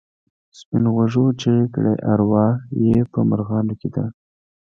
سپین غوږو چیغې کړې اروا یې په مرغانو کې ده.